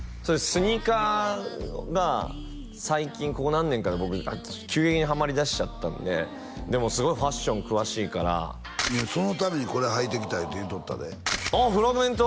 スニーカーが最近ここ何年かで僕急激にハマりだしちゃったんででもうすごいファッション詳しいからいや「そのためにこれ履いてきた」って言うとったであっフラグメント！